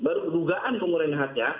baru dugaan pengurangan haknya